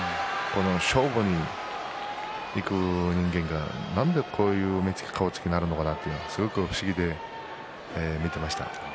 勝負にいく人間がなんでこういう目つき、顔つきになるのかなとすごい不思議で見ていました。